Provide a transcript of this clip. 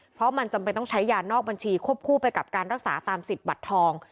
เพราะมันจำเป็นต้องใช้ยานอกบัญชีควบคู่ไปกับการรักษาตามสิทธิ์บัตรทอง